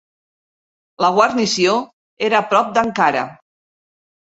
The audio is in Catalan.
La guarnició era prop d'Ankara.